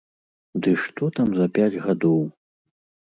Ды што там за пяць гадоў!